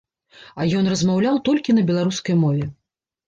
А ён размаўляў толькі на беларускай мове.